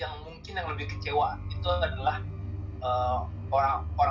yang mungkin yang lebih kecewa itu adalah orang